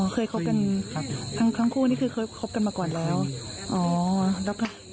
เคยคบกันครับทั้งคู่นี่คือเคยคบกันมาก่อนแล้วอ๋อแล้วก็